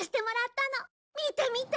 見て見て！